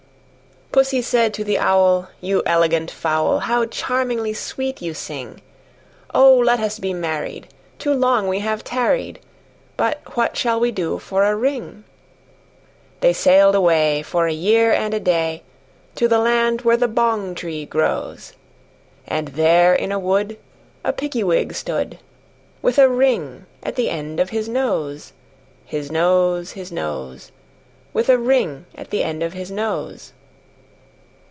II. Pussy said to the Owl, "You elegant fowl, How charmingly sweet you sing! Oh! let us be married; too long we have tarried: But what shall we do for a ring?" They sailed away, for a year and a day, To the land where the bong tree grows; And there in a wood a Piggy wig stood, With a ring at the end of his nose, His nose, His nose, With a ring at the end of his nose.